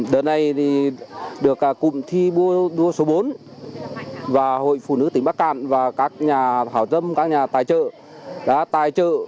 giờ này được cụm thi đua số bốn và hội phụ nữ tỉnh bắc cạn và các nhà hảo dâm các nhà tài trợ đã tài trợ